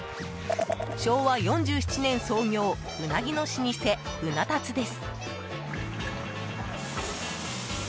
昭和４７年創業ウナギの老舗、うな達です。